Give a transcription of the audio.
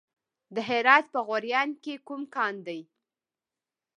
د هرات په غوریان کې کوم کان دی؟